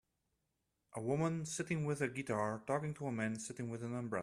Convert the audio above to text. A woman sitting with a guitar talking to a man sitting with an umbrella.